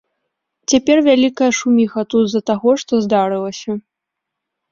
Цяпер вялікая шуміха тут з-за таго, што здарылася.